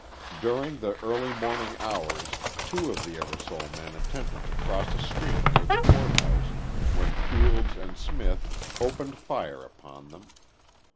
During the early morning hours two of the Eversole men attempted to cross a street near the court house, when Fields and Smith opened fire upon them.